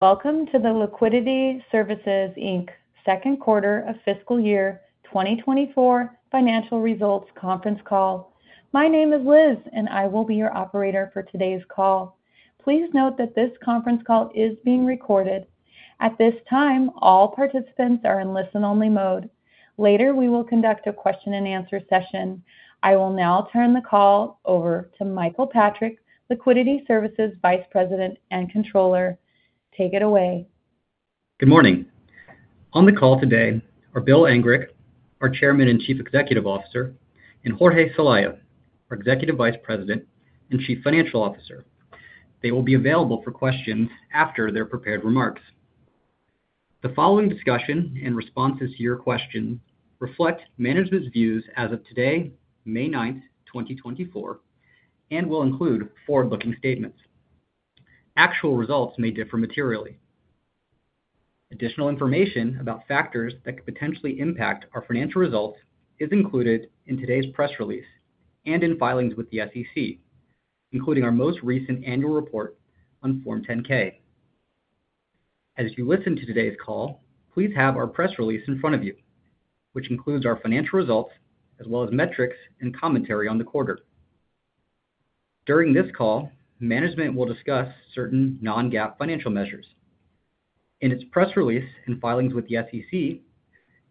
Welcome to the Liquidity Services Inc., Second Quarter of Fiscal Year 2024 financial results Conference Call. My name is Liz, and I will be your operator for today's call. Please note that this conference call is being recorded. At this time, all participants are in listen-only mode. Later, we will conduct a question-and-answer session. I will now turn the call over to Michael Patrick, Liquidity Services Vice President and Controller. Take it away. Good morning. On the call today are Bill Angrick, our Chairman and Chief Executive Officer, and Jorge Celaya, our Executive Vice President and Chief Financial Officer. They will be available for questions after their prepared remarks. The following discussion and responses to your questions reflect management's views as of today, May 9, 2024, and will include forward-looking statements. Actual results may differ materially. Additional information about factors that could potentially impact our financial results is included in today's press release and in filings with the SEC, including our most recent annual report on Form 10-K. As you listen to today's call, please have our press release in front of you, which includes our financial results as well as metrics and commentary on the quarter. During this call, management will discuss certain non-GAAP financial measures. In its press release and filings with the SEC,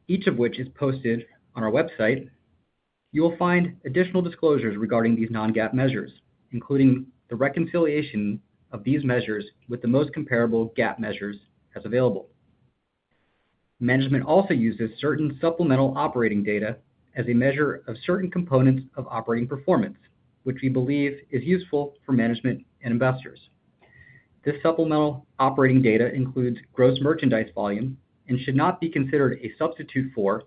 each of which is posted on our website, you will find additional disclosures regarding these non-GAAP measures, including the reconciliation of these measures with the most comparable GAAP measures as available. Management also uses certain supplemental operating data as a measure of certain components of operating performance, which we believe is useful for management and investors. This supplemental operating data includes gross merchandise volume and should not be considered a substitute for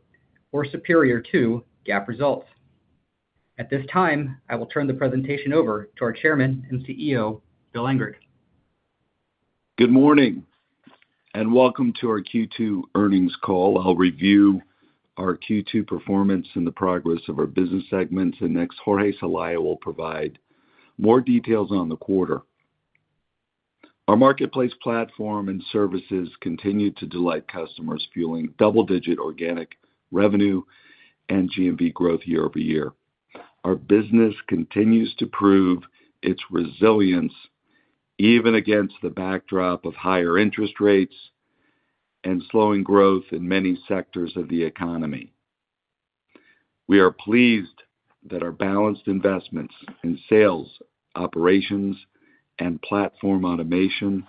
or superior to GAAP results. At this time, I will turn the presentation over to our Chairman and CEO, Bill Angrick. Good morning and welcome to our Q2 Earnings Call. I'll review our Q2 performance and the progress of our business segments, and next Jorge Celaya will provide more details on the quarter. Our marketplace platform and services continue to delight customers, fueling double-digit organic revenue and GMV growth year-over-year. Our business continues to prove its resilience even against the backdrop of higher interest rates and slowing growth in many sectors of the economy. We are pleased that our balanced investments in sales, operations, and platform automation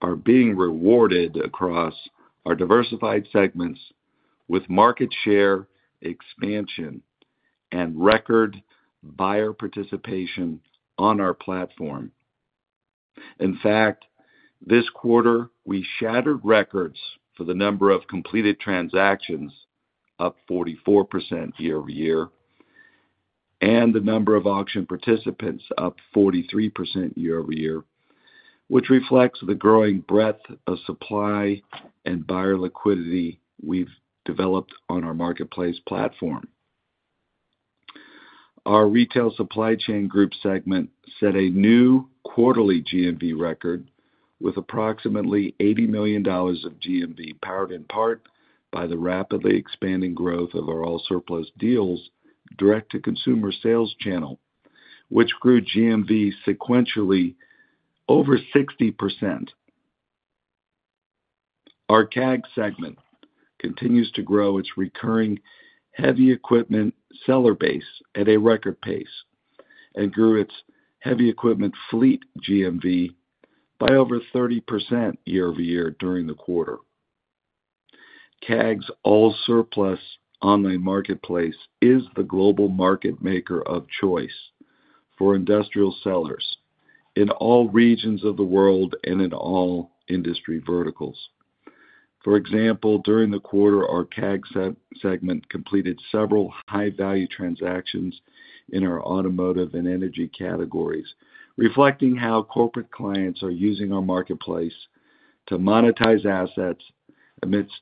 are being rewarded across our diversified segments with market share expansion and record buyer participation on our platform. In fact, this quarter we shattered records for the number of completed transactions up 44% year-over-year and the number of auction participants up 43% year-over-year, which reflects the growing breadth of supply and buyer liquidity we've developed on our marketplace platform. Our Retail Supply Chain Group segment set a new quarterly GMV record with approximately $80 million of GMV powered in part by the rapidly expanding growth of our AllSurplus Deals direct-to-consumer sales channel, which grew GMV sequentially over 60%. Our CAG segment continues to grow its recurring heavy equipment seller base at a record pace and grew its heavy equipment fleet GMV by over 30% year-over-year during the quarter. CAG's AllSurplus online marketplace is the global market maker of choice for industrial sellers in all regions of the world and in all industry verticals. For example, during the quarter our CAG segment completed several high-value transactions in our automotive and energy categories, reflecting how corporate clients are using our marketplace to monetize assets amidst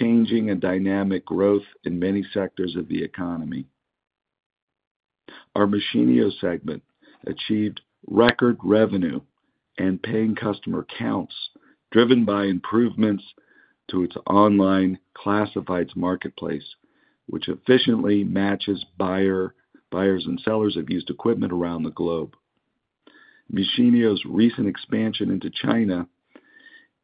changing and dynamic growth in many sectors of the economy. Our Machinio segment achieved record revenue and paying customer counts driven by improvements to its online classifieds marketplace, which efficiently matches buyers and sellers of used equipment around the globe. Machinio's recent expansion into China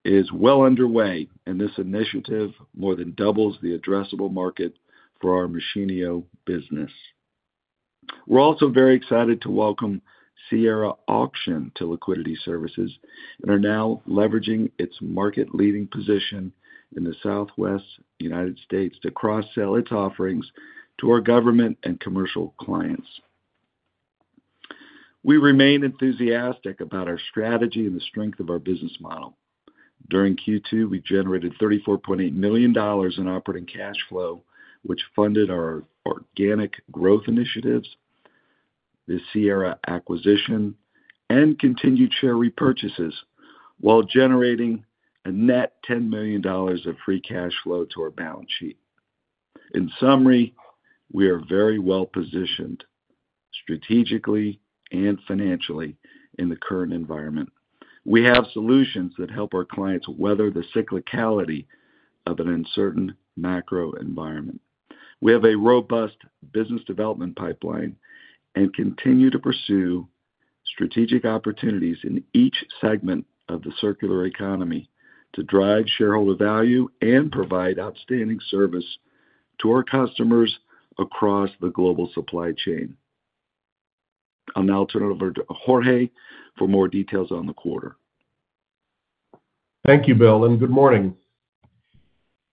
is well underway, and this initiative more than doubles the addressable market for our Machinio business. We're also very excited to welcome Sierra Auction to Liquidity Services and are now leveraging its market-leading position in the Southwest United States to cross-sell its offerings to our government and commercial clients. We remain enthusiastic about our strategy and the strength of our business model. During Q2, we generated $34.8 million in operating cash flow, which funded our organic growth initiatives, the Sierra acquisition, and continued share repurchases while generating a net $10 million of free cash flow to our balance sheet. In summary, we are very well positioned strategically and financially in the current environment. We have solutions that help our clients weather the cyclicality of an uncertain macro environment. We have a robust business development pipeline and continue to pursue strategic opportunities in each segment of the circular economy to drive shareholder value and provide outstanding service to our customers across the global supply chain. I'll now turn it over to Jorge for more details on the quarter. Thank you, Bill, and good morning.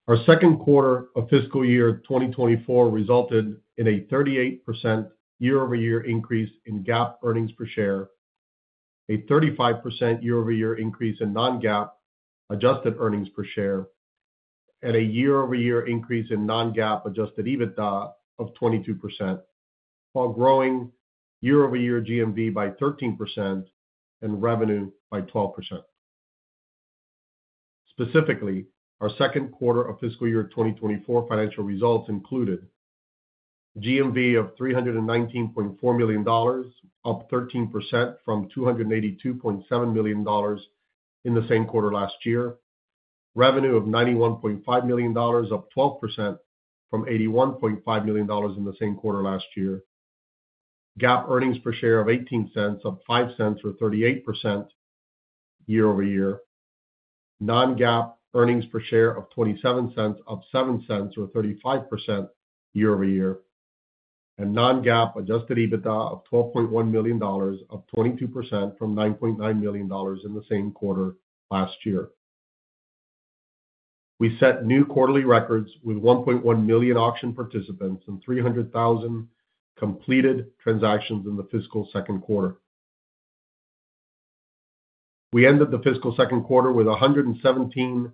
Our second quarter of fiscal year 2024 resulted in a 38% year-over-year increase in GAAP earnings per share, a 35% year-over-year increase in non-GAAP adjusted earnings per share, and a year-over-year increase in non-GAAP adjusted EBITDA of 22% while growing year-over-year GMV by 13% and revenue by 12%. Specifically, our second quarter of fiscal year 2024 financial results included GMV of $319.4 million up 13% from $282.7 million in the same quarter last year, revenue of $91.5 million up 12% from $81.5 million in the same quarter last year, GAAP earnings per share of $0.18 up 5 cents or 38% year-over-year, non-GAAP earnings per share of $0.27 up $0.07 or 35% year-over-year, and non-GAAP adjusted EBITDA of $12.1 million up 22% from $9.9 million in the same quarter last year. We set new quarterly records with 1.1 million auction participants and 300,000 completed transactions in the fiscal second quarter. We ended the fiscal second quarter with $117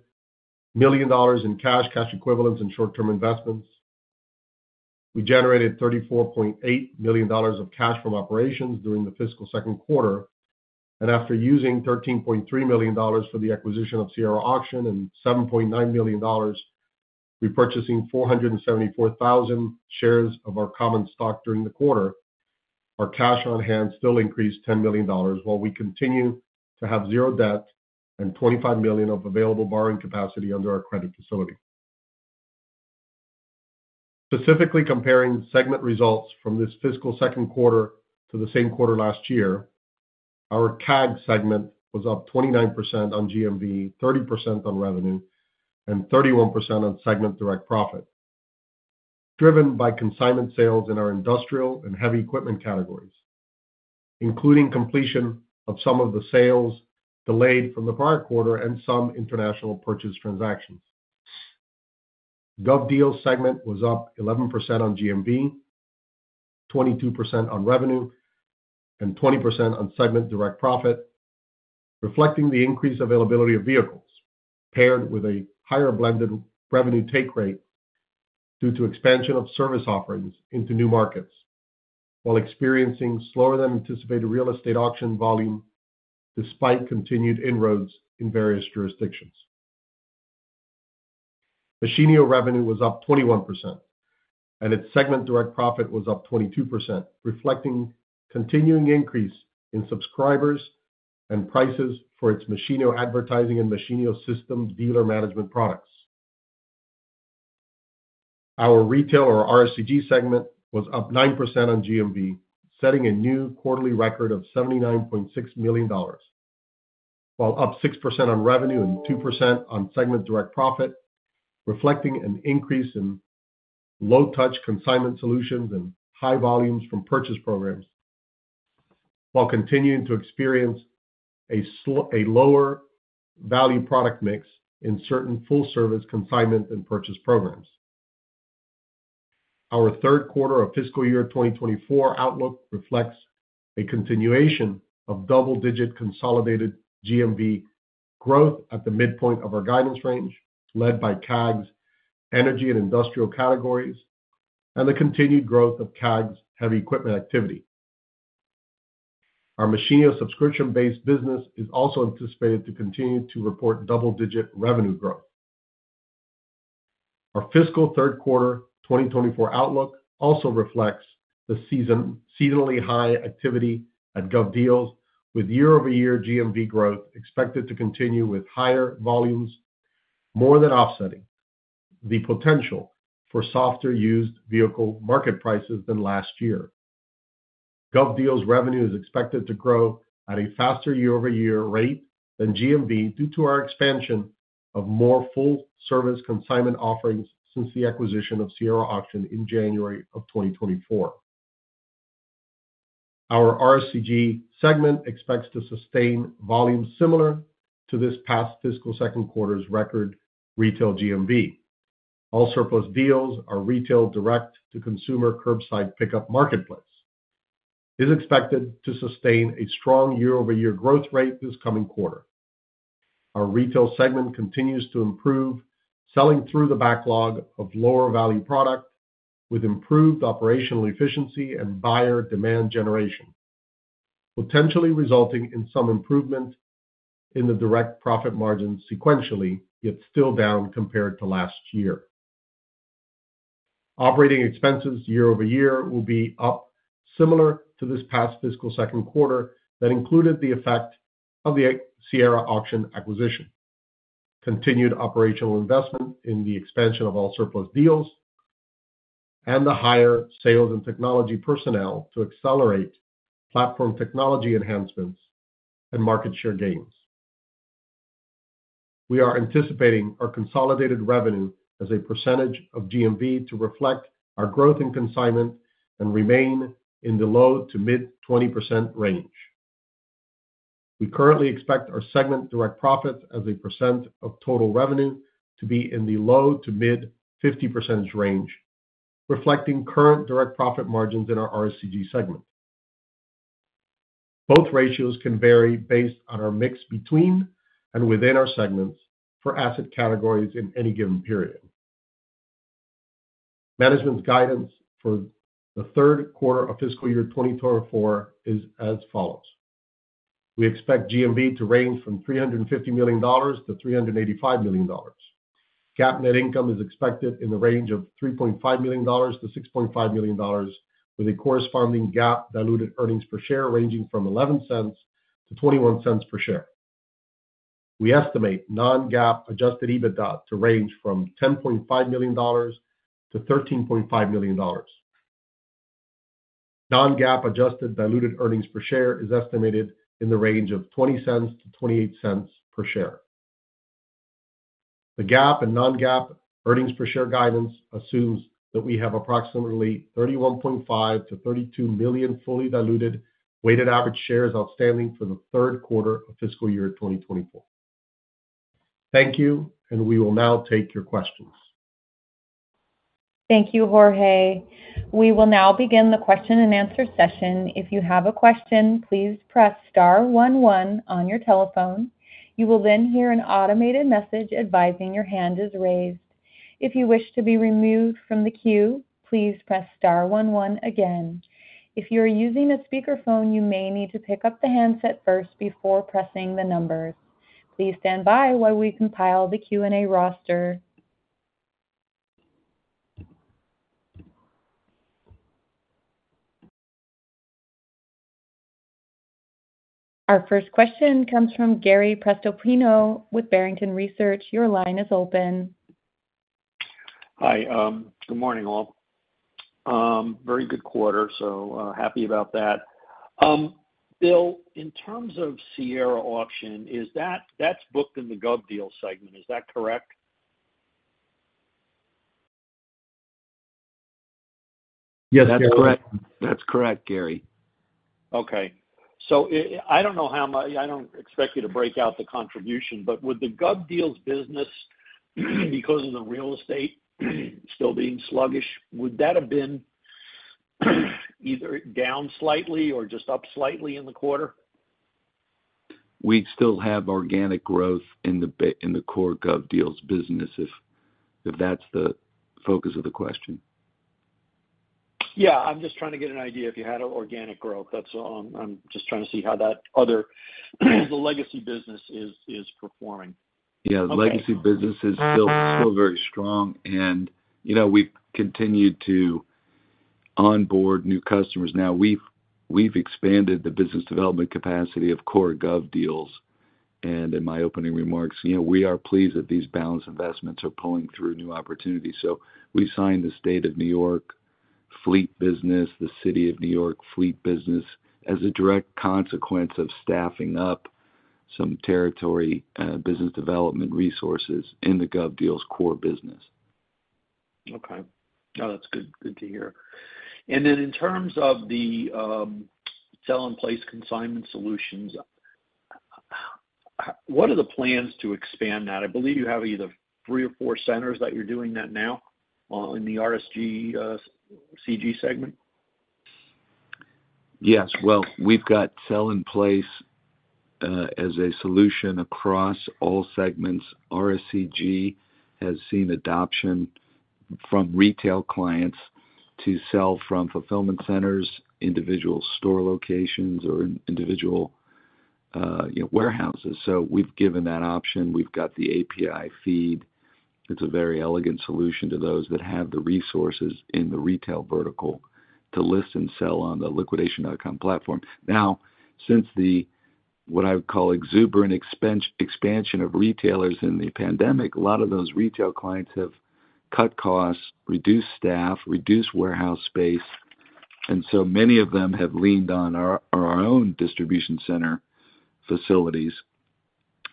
million in cash, cash equivalents, and short-term investments. We generated $34.8 million of cash from operations during the fiscal second quarter, and after using $13.3 million for the acquisition of Sierra Auction and $7.9 million repurchasing 474,000 shares of our common stock during the quarter, our cash on hand still increased $10 million while we continue to have zero debt and $25 million of available borrowing capacity under our credit facility. Specifically comparing segment results from this fiscal second quarter to the same quarter last year, our CAG segment was up 29% on GMV, 30% on revenue, and 31% on segment direct profit, driven by consignment sales in our industrial and heavy equipment categories, including completion of some of the sales delayed from the prior quarter and some international purchase transactions. GovDeals segment was up 11% on GMV, 22% on revenue, and 20% on segment direct profit, reflecting the increased availability of vehicles paired with a higher blended revenue take rate due to expansion of service offerings into new markets while experiencing slower-than-anticipated real estate auction volume despite continued inroads in various jurisdictions. Machinio revenue was up 21%, and its segment direct profit was up 22%, reflecting continuing increase in subscribers and prices for its Machinio Advertising and Machinio System dealer management products. Our retail or RSCG segment was up 9% on GMV, setting a new quarterly record of $79.6 million while up 6% on revenue and 2% on segment direct profit, reflecting an increase in low-touch consignment solutions and high volumes from purchase programs while continuing to experience a lower-value product mix in certain full-service consignment and purchase programs. Our third quarter of fiscal year 2024 outlook reflects a continuation of double-digit consolidated GMV growth at the midpoint of our guidance range, led by CAG's energy and industrial categories, and the continued growth of CAG's heavy equipment activity. Our Machinio subscription-based business is also anticipated to continue to report double-digit revenue growth. Our fiscal third quarter 2024 outlook also reflects the seasonally high activity at GovDeals, with year-over-year GMV growth expected to continue with higher volumes, more than offsetting the potential for softer used vehicle market prices than last year. GovDeals revenue is expected to grow at a faster year-over-year rate than GMV due to our expansion of more full-service consignment offerings since the acquisition of Sierra Auction in January of 2024. Our RSCG segment expects to sustain volumes similar to this past fiscal second quarter's record retail GMV. AllSurplus Deals are retail direct-to-consumer curbside pickup marketplace. It is expected to sustain a strong year-over-year growth rate this coming quarter. Our retail segment continues to improve, selling through the backlog of lower-value product with improved operational efficiency and buyer demand generation, potentially resulting in some improvement in the direct profit margins sequentially, yet still down compared to last year. Operating expenses year-over-year will be up similar to this past fiscal second quarter that included the effect of the Sierra Auction acquisition, continued operational investment in the expansion of AllSurplus Deals, and the higher sales and technology personnel to accelerate platform technology enhancements and market share gains. We are anticipating our consolidated revenue as a percentage of GMV to reflect our growth in consignment and remain in the low-to-mid 20% range. We currently expect our segment direct profits as a percent of total revenue to be in the low-to-mid 50% range, reflecting current direct profit margins in our RSCG segment. Both ratios can vary based on our mix between and within our segments for asset categories in any given period. Management's guidance for the third quarter of fiscal year 2024 is as follows. We expect GMV to range from $350 million-$385 million. GAAP net income is expected in the range of $3.5 million-$6.5 million, with a corresponding GAAP diluted earnings per share ranging from $0.11-$0.21 per share. We estimate non-GAAP adjusted EBITDA to range from $10.5 million-$13.5 million. Non-GAAP adjusted diluted earnings per share is estimated in the range of $0.20-$0.28 per share. The GAAP and non-GAAP earnings per share guidance assumes that we have approximately 31.5-32 million fully diluted weighted average shares outstanding for the third quarter of fiscal year 2024. Thank you, and we will now take your questions. Thank you, Jorge. We will now begin the question-and-answer session. If you have a question, please press star one one on your telephone. You will then hear an automated message advising your hand is raised. If you wish to be removed from the queue, please press star one one again. If you are using a speakerphone, you may need to pick up the handset first before pressing the numbers. Please stand by while we compile the Q&A roster. Our first question comes from Gary Prestopino with Barrington Research. Your line is open. Hi. Good morning, all. Very good quarter, so happy about that. Bill, in terms of Sierra Auction, that's booked in the GovDeals segment. Is that correct? Yes, that's correct. That's correct, Gary. Okay. So I don't know how much I don't expect you to break out the contribution, but would the GovDeals business, because of the real estate still being sluggish, would that have been either down slightly or just up slightly in the quarter? We'd still have organic growth in the core GovDeals business, if that's the focus of the question. Yeah. I'm just trying to get an idea if you had organic growth. I'm just trying to see how the legacy business is performing. Yeah. The legacy business is still very strong, and we've continued to onboard new customers. Now, we've expanded the business development capacity of core GovDeals. In my opening remarks, we are pleased that these balanced investments are pulling through new opportunities. We signed the State of New York fleet business, the City of New York fleet business, as a direct consequence of staffing up some territory business development resources in the GovDeals core business. Okay. No, that's good to hear. And then in terms of the Sell-In-Place consignment solutions, what are the plans to expand that? I believe you have either three or four centers that you're doing that now in the RSCG segment. Yes. Well, we've got Sell-In-Place as a solution across all segments. RSCG has seen adoption from retail clients to sell from fulfillment centers, individual store locations, or individual warehouses. So we've given that option. We've got the API feed. It's a very elegant solution to those that have the resources in the retail vertical to list and sell on the Liquidation.com platform. Now, since what I would call exuberant expansion of retailers in the pandemic, a lot of those retail clients have cut costs, reduced staff, reduced warehouse space. And so many of them have leaned on our own distribution center facilities.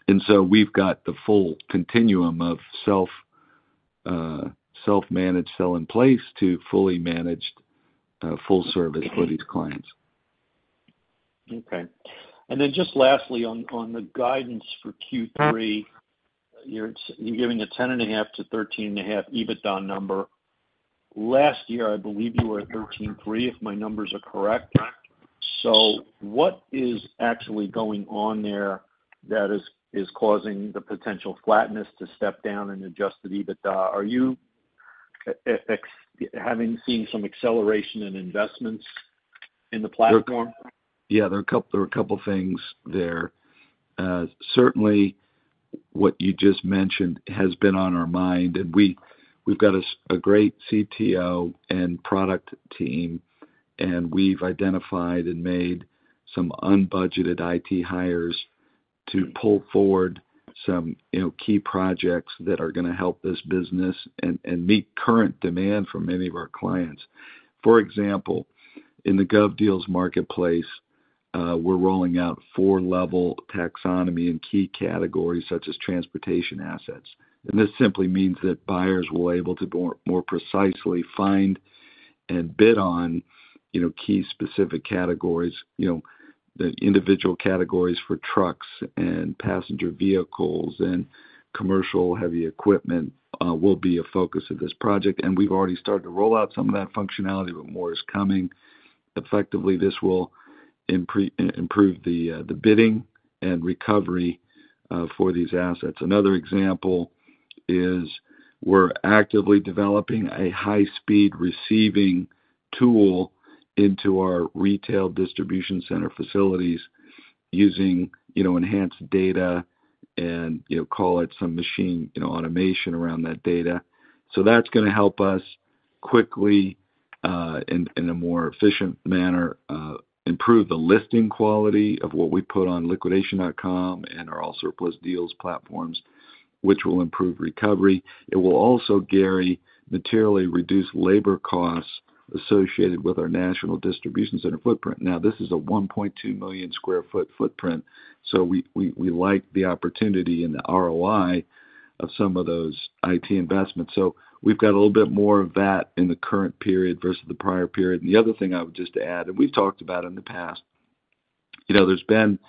And so we've got the full continuum of self-managed Sell-In-Place to fully managed full-service for these clients. Okay. And then just lastly, on the guidance for Q3, you're giving a 10.5-13.5 EBITDA number. Last year, I believe you were at 13.3, if my numbers are correct. So what is actually going on there that is causing the potential flatness to step down and adjusted EBITDA? Are you seeing some acceleration in investments in the platform? Yeah. There are a couple of things there. Certainly, what you just mentioned has been on our mind. We've got a great CTO and product team, and we've identified and made some unbudgeted IT hires to pull forward some key projects that are going to help this business and meet current demand from many of our clients. For example, in the GovDeals marketplace, we're rolling out four-level taxonomy in key categories such as transportation assets. This simply means that buyers will be able to more precisely find and bid on key specific categories. The individual categories for trucks and passenger vehicles and commercial heavy equipment will be a focus of this project. We've already started to roll out some of that functionality, but more is coming. Effectively, this will improve the bidding and recovery for these assets. Another example is we're actively developing a high-speed receiving tool into our retail distribution center facilities using enhanced data and, call it, some machine automation around that data. So that's going to help us quickly and in a more efficient manner improve the listing quality of what we put on Liquidation.com and our AllSurplus Deals platforms, which will improve recovery. It will also, Gary, materially reduce labor costs associated with our national distribution center footprint. Now, this is a 1.2 million sqft footprint, so we like the opportunity and the ROI of some of those IT investments. So we've got a little bit more of that in the current period versus the prior period. And the other thing I would just add, and we've talked about in the past, there's been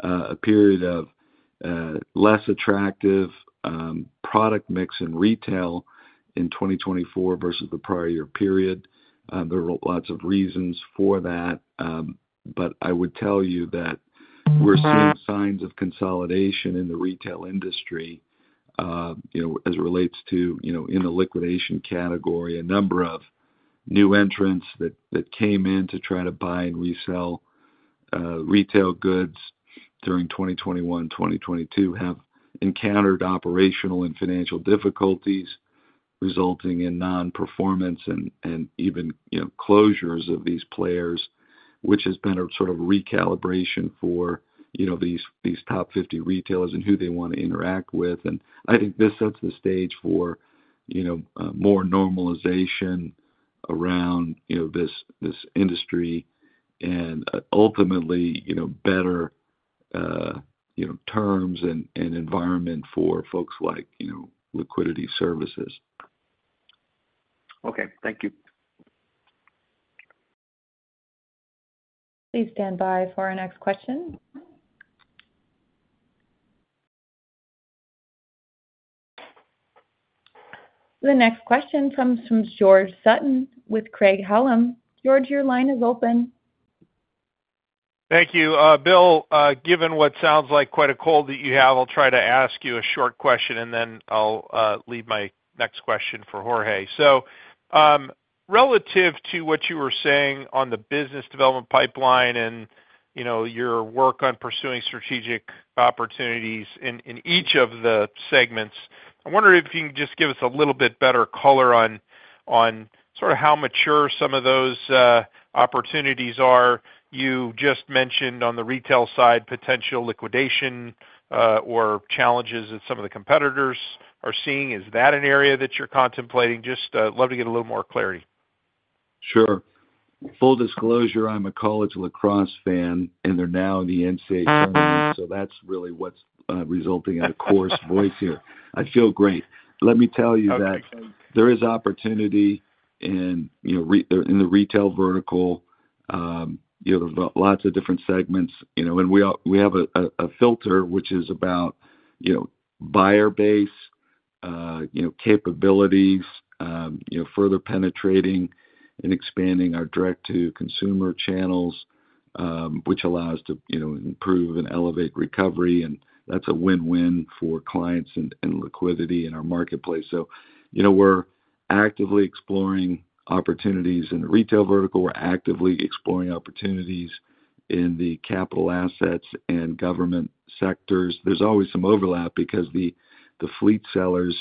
a period of less attractive product mix in retail in 2024 versus the prior year period. There are lots of reasons for that, but I would tell you that we're seeing signs of consolidation in the retail industry as it relates to, in the liquidation category, a number of new entrants that came in to try to buy and resell retail goods during 2021, 2022 have encountered operational and financial difficulties resulting in non-performance and even closures of these players, which has been a sort of recalibration for these top 50 retailers and who they want to interact with. And I think this sets the stage for more normalization around this industry and, ultimately, better terms and environment for folks like Liquidity Services. Okay. Thank you. Please stand by for our next question. The next question comes from George Sutton with Craig-Hallum. George, your line is open. Thank you. Bill, given what sounds like quite a cold that you have, I'll try to ask you a short question, and then I'll leave my next question for Jorge. Relative to what you were saying on the business development pipeline and your work on pursuing strategic opportunities in each of the segments, I wonder if you can just give us a little bit better color on sort of how mature some of those opportunities are. You just mentioned on the retail side potential liquidation or challenges that some of the competitors are seeing. Is that an area that you're contemplating? Just love to get a little more clarity. Sure. Full disclosure, I'm a college lacrosse fan, and they're now in the NCAA tournament, so that's really what's resulting in a hoarse voice here. I feel great. Let me tell you that there is opportunity in the retail vertical. There are lots of different segments. We have a filter, which is about buyer base capabilities, further penetrating and expanding our direct-to-consumer channels, which allows us to improve and elevate recovery. That's a win-win for clients and Liquidity and our marketplace. We're actively exploring opportunities in the retail vertical. We're actively exploring opportunities in the capital assets and government sectors. There's always some overlap because the fleet sellers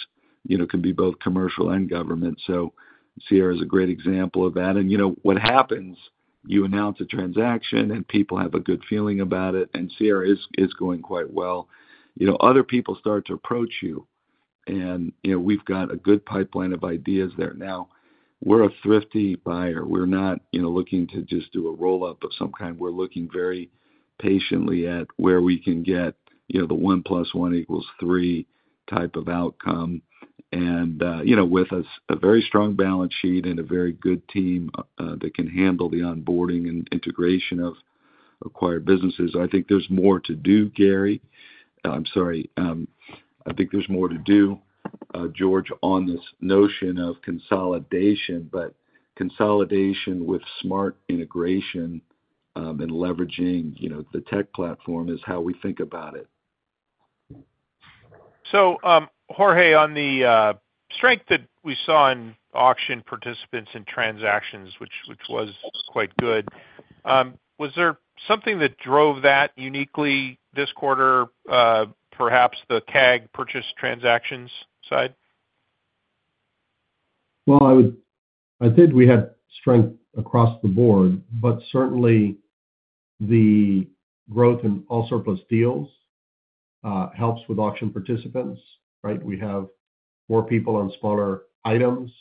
can be both commercial and government. Sierra is a great example of that. What happens, you announce a transaction, and people have a good feeling about it, and Sierra is going quite well. Other people start to approach you, and we've got a good pipeline of ideas there. Now, we're a thrifty buyer. We're not looking to just do a roll-up of some kind. We're looking very patiently at where we can get the 1 + 1 = 3 type of outcome. And with a very strong balance sheet and a very good team that can handle the onboarding and integration of acquired businesses, I think there's more to do, Gary. I'm sorry. I think there's more to do, George, on this notion of consolidation, but consolidation with smart integration and leveraging the tech platform is how we think about it. Jorge, on the strength that we saw in auction participants and transactions, which was quite good, was there something that drove that uniquely this quarter, perhaps the CAG purchase transactions side? Well, I think we had strength across the board, but certainly, the growth in AllSurplus Deals helps with auction participants, right? We have more people on smaller items.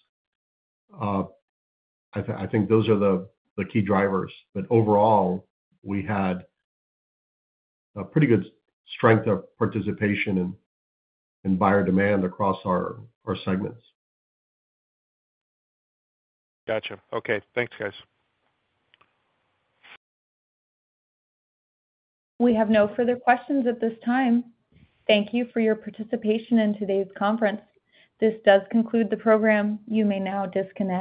I think those are the key drivers. But overall, we had a pretty good strength of participation and buyer demand across our segments. Gotcha. Okay. Thanks, guys. We have no further questions at this time. Thank you for your participation in today's conference. This does conclude the program. You may now disconnect.